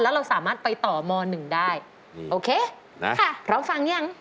แล้วเราสามารถไปต่อม๑ได้โอเคนะพร้อมฟังยัง